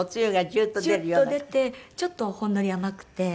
ジュッと出てちょっとほんのり甘くて。